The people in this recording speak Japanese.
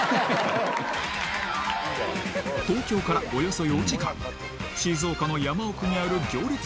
東京からおよそ４時間静岡の山奥にある行列